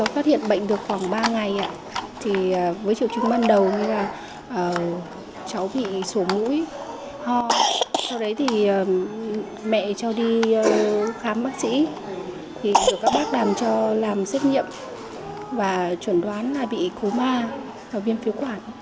bệnh được khoảng ba ngày với triệu chứng ban đầu là cháu bị sổ mũi ho sau đấy mẹ cho đi khám bác sĩ được các bác đàn cho làm xếp nhiệm và chuẩn đoán là bị cú ma và viêm phiếu quản